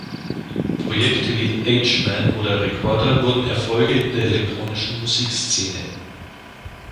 Projekte wie H-Man oder Rekorder wurden Erfolge in der elektronischen Musikszene.